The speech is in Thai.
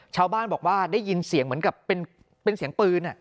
ชาวบ้านบอกว่าได้ยินเสียงเหมือนกับเป็นเสียงปืน